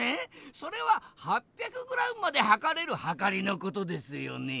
それは８００ｇまではかれるはかりのことですよねぇ？